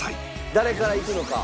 誰からいくのか？